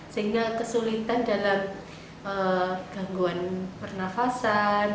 sehingga kesulitan dalam gangguan pernafasan